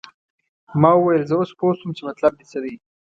ما وویل زه اوس پوه شوم چې مطلب دې څه دی.